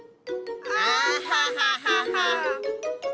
アハハハ！